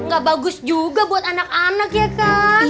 gak bagus juga buat anak anak ya kang